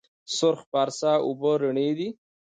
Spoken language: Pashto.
سرخ پارسا اوبه رڼې دي؟